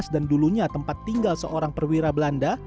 dan dulunya tempat tinggal seorang perwira belanda